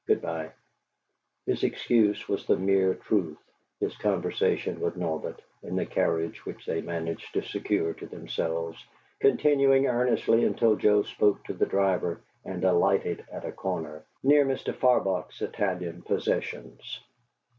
Good bye." His excuse was the mere truth, his conversation with Norbert, in the carriage which they managed to secure to themselves, continuing earnestly until Joe spoke to the driver and alighted at a corner, near Mr. Farbach's Italian possessions.